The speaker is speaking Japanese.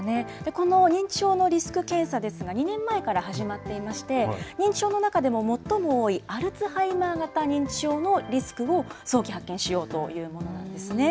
この認知症のリスク検査ですが、２年前から始まっていまして、認知症の中でも最も多いアルツハイマー型認知症のリスクを早期発見しようというものなんですね。